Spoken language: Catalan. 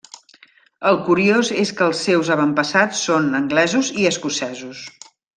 El curiós és que els seus avantpassats són anglesos i escocesos.